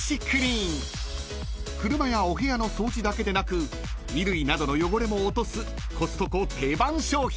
［車やお部屋の掃除だけでなく衣類などの汚れも落とすコストコ定番商品］